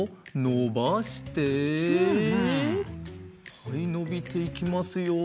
はいのびていきますよ。